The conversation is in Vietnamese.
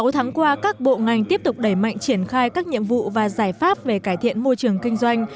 sáu tháng qua các bộ ngành tiếp tục đẩy mạnh triển khai các nhiệm vụ và giải pháp về cải thiện môi trường kinh doanh